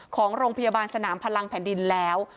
ของโรงพยาบาลสนามพลังแผ่นดินแล้ว